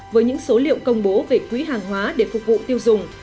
với những số liệu công bố về quỹ hàng hóa để phục vụ tiêu dùng